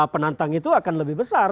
penantang itu akan lebih besar